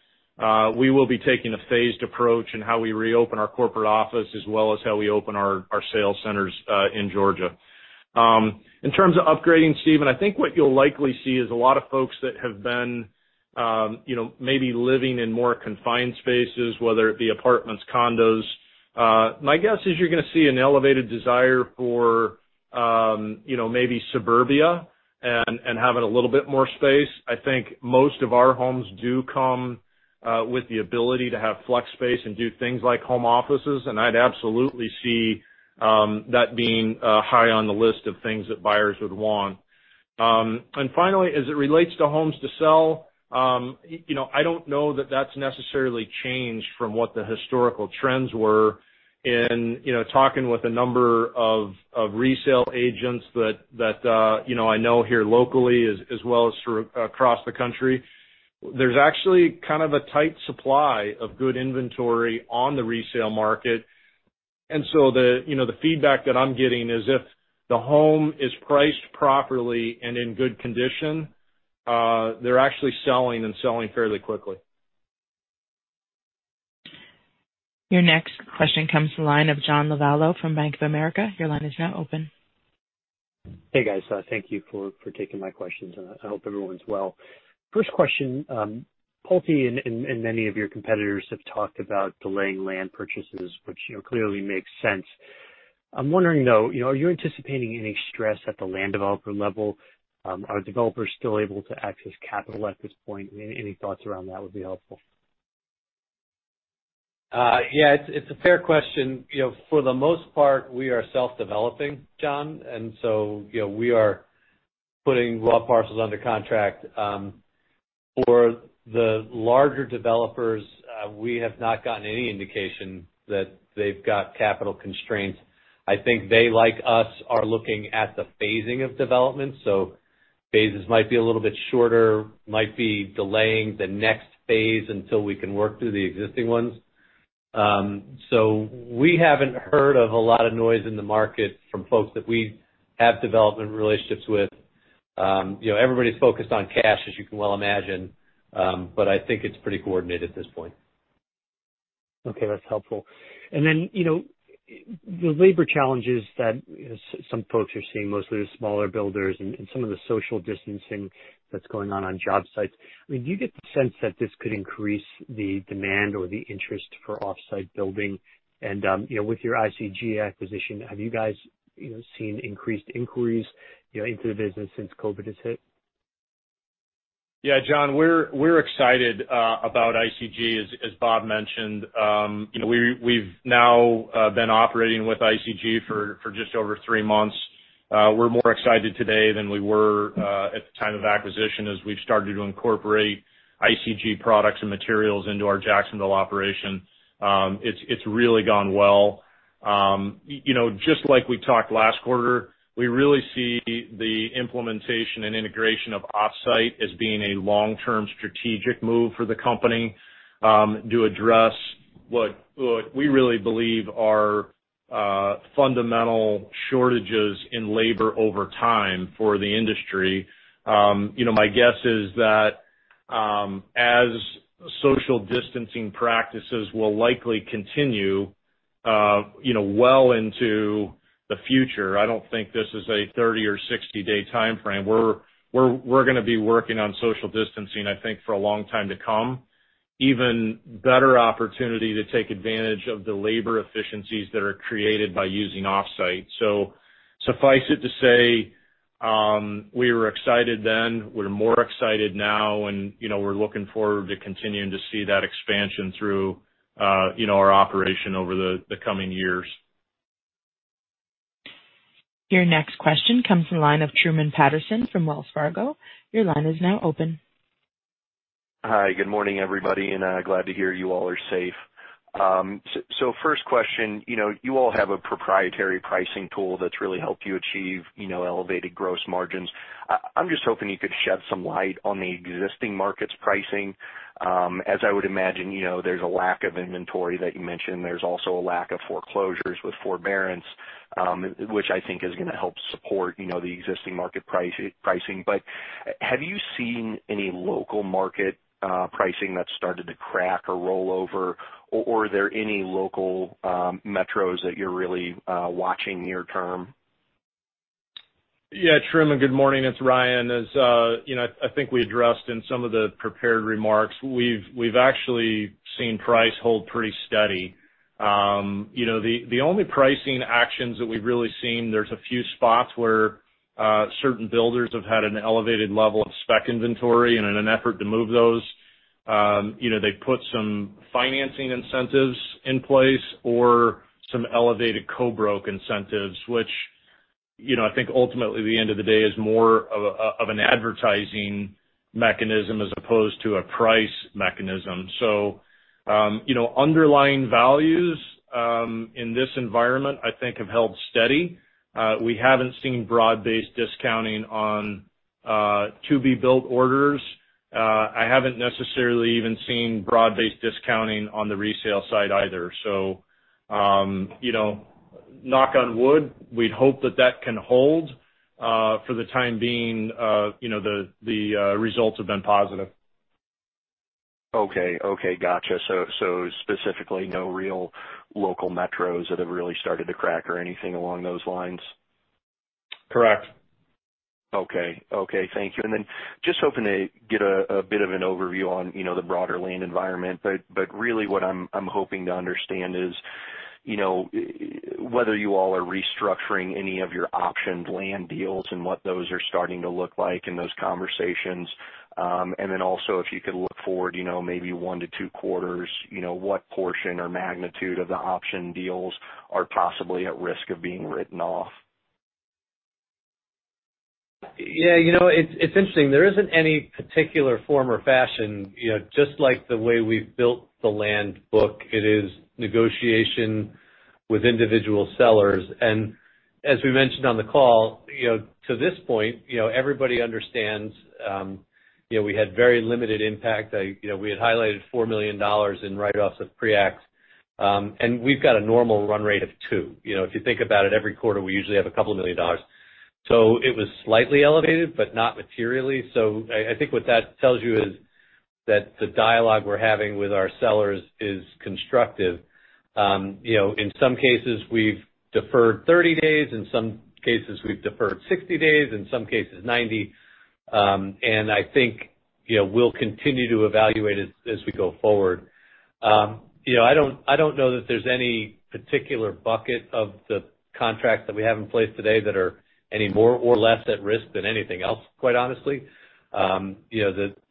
We will be taking a phased approach in how we reopen our corporate office, as well as how we open our sales centers in Georgia. In terms of upgrading, Stephen, I think what you'll likely see is a lot of folks that have been maybe living in more confined spaces, whether it be apartments, condos. My guess is you're going to see an elevated desire for maybe suburbia and having a little bit more space. I think most of our homes do come with the ability to have flex space and do things like home offices, and I'd absolutely see that being high on the list of things that buyers would want. Finally, as it relates to homes to sell, I don't know that that's necessarily changed from what the historical trends were in talking with a number of resale agents that I know here locally, as well as across the country. There's actually kind of a tight supply of good inventory on the resale market. And so the feedback that I'm getting is if the home is priced properly and in good condition, they're actually selling and selling fairly quickly. Your next question comes to the line of John Lovallo from Bank of America. Your line is now open. Hey, guys. Thank you for taking my questions. I hope everyone's well. First question. Pulte and many of your competitors have talked about delaying land purchases, which clearly makes sense. I'm wondering, though, are you anticipating any stress at the land developer level? Are developers still able to access capital at this point? Any thoughts around that would be helpful. Yeah. It's a fair question. For the most part, we are self-developing, John, and so we are putting raw parcels under contract. For the larger developers, we have not gotten any indication that they've got capital constraints. I think they, like us, are looking at the phasing of development. Phases might be a little bit shorter, might be delaying the next phase until we can work through the existing ones. We haven't heard of a lot of noise in the market from folks that we have development relationships with. Everybody's focused on cash, as you can well imagine. I think it's pretty coordinated at this point. Okay, that's helpful. The labor challenges that some folks are seeing, mostly the smaller builders, and some of the social distancing that's going on on job sites. Do you get the sense that this could increase the demand or the interest for off-site building? With your ICG acquisition, have you guys seen increased inquiries into the business since COVID has hit? Yeah, John, we're excited about ICG, as Bob mentioned. We've now been operating with ICG for just over three months. We're more excited today than we were at the time of acquisition as we've started to incorporate ICG products and materials into our Jacksonville operation. It's really gone well. Just like we talked last quarter, we really see the implementation and integration of off-site as being a long-term strategic move for the company, to address what we really believe are fundamental shortages in labor over time for the industry. My guess is that, as social distancing practices will likely continue well into the future, I don't think this is a 30 or 60 day timeframe. We're going to be working on social distancing, I think, for a long time to come. Even better opportunity to take advantage of the labor efficiencies that are created by using off-site. Suffice it to say, we were excited then, we're more excited now, and we're looking forward to continuing to see that expansion through our operation over the coming years. Your next question comes from the line of Truman Patterson from Wells Fargo. Your line is now open. Hi, good morning, everybody, and glad to hear you all are safe. First question. You all have a proprietary pricing tool that's really helped you achieve elevated gross margins. I'm just hoping you could shed some light on the existing market's pricing. As I would imagine, there's a lack of inventory that you mentioned. There's also a lack of foreclosures with forbearance, which I think is going to help support the existing market pricing. Have you seen any local market pricing that's started to crack or roll over? Are there any local metros that you're really watching near term? Yeah, Truman, good morning. It's Ryan. As I think we addressed in some of the prepared remarks, we've actually seen price hold pretty steady. The only pricing actions that we've really seen, there's a few spots where certain builders have had an elevated level of spec inventory, and in an effort to move those, they put some financing incentives in place or some elevated co-broke incentives, which I think ultimately at the end of the day is more of an advertising mechanism as opposed to a price mechanism. Underlying values, in this environment, I think have held steady. We haven't seen broad-based discounting on to-be-built orders. I haven't necessarily even seen broad-based discounting on the resale side either. Knock on wood, we'd hope that that can hold. For the time being the results have been positive. Okay. Gotcha. Specifically, no real local metros that have really started to crack or anything along those lines? Correct. Okay. Thank you. Just hoping to get a bit of an overview on the broader land environment. Really what I'm hoping to understand is whether you all are restructuring any of your optioned land deals and what those are starting to look like in those conversations. Also if you could look forward maybe 1-2 quarters, what portion or magnitude of the option deals are possibly at risk of being written off? Yeah. It's interesting. There isn't any particular form or fashion, just like the way we've built the land book, it is negotiation with individual sellers. As we mentioned on the call, to this point, everybody understands we had very limited impact. We had highlighted $4 million in write-offs of pre-acq, and we've got a normal run rate of two. If you think about it, every quarter, we usually have a couple million dollars. It was slightly elevated, but not materially. I think what that tells you is that the dialogue we're having with our sellers is constructive. In some cases, we've deferred 30 days, in some cases, we've deferred 60 days, in some cases, 90. I think we'll continue to evaluate as we go forward. I don't know that there's any particular bucket of the contracts that we have in place today that are any more or less at risk than anything else, quite honestly.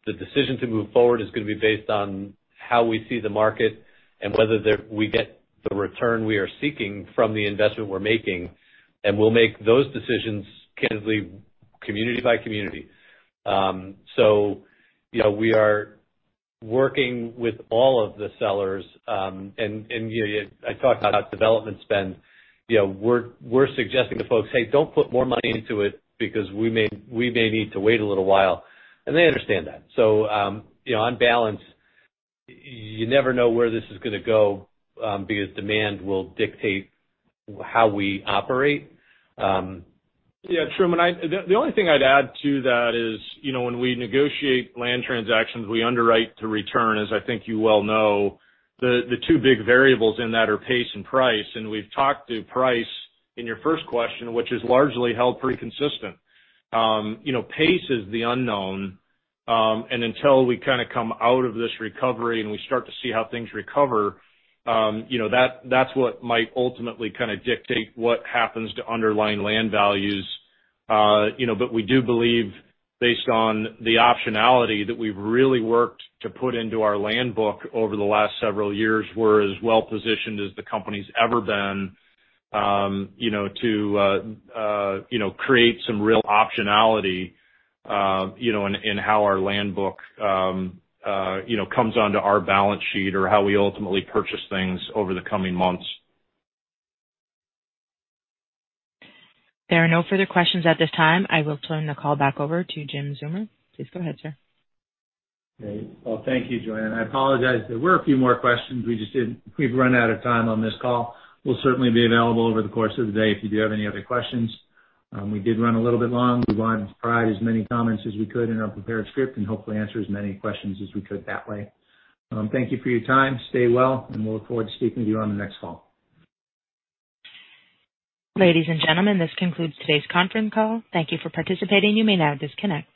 The decision to move forward is going to be based on how we see the market and whether we get the return we are seeking from the investment we're making, and we'll make those decisions, candidly, community by community. We are working with all of the sellers, and I talk about development spend, we're suggesting to folks, "Hey, don't put more money into it because we may need to wait a little while." They understand that. On balance, you never know where this is going to go, because demand will dictate how we operate. Yeah, Truman, the only thing I'd add to that is, when we negotiate land transactions, we underwrite the return, as I think you well know. The two big variables in that are pace and price. We've talked to price in your first question, which is largely held pretty consistent. Pace is the unknown, until we kind of come out of this recovery and we start to see how things recover, that's what might ultimately kind of dictate what happens to underlying land values. We do believe, based on the optionality that we've really worked to put into our land book over the last several years, we're as well-positioned as the company's ever been you know to create some real optionality in how our land book comes onto our balance sheet or how we ultimately purchase things over the coming months. There are no further questions at this time. I will turn the call back over to Jim Zeumer. Please go ahead, sir. Great. Well, thank you, Joanne. I apologize. There were a few more questions. We've run out of time on this call. We'll certainly be available over the course of the day if you do have any other questions. We did run a little bit long. We wanted to provide as many comments as we could in our prepared script and hopefully answer as many questions as we could that way. Thank you for your time. Stay well, and we'll look forward to speaking with you on the next call. Ladies and gentlemen, this concludes today's conference call. Thank you for participating. You may now disconnect.